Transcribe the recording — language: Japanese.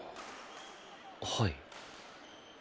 はい。